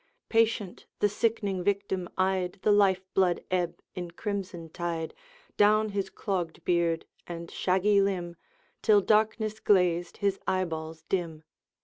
Patient the sickening victim eyed The life blood ebb in crimson tide Down his clogged beard and shaggy limb, Till darkness glazed his eyeballs dim.